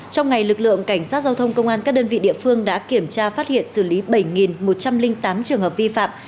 trong ngày lực lượng cảnh sát giao thông công an các đơn vị địa phương đã kiểm tra phát hiện xử lý bảy một trăm linh tám trường hợp vi phạm